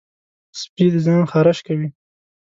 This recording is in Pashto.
سپي د ځان خارش کوي.